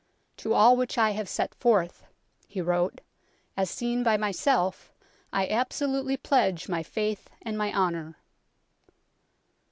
" To all which I have set forth," he wrote, " as seen by myself, I absolutely pledge my faith and my honour."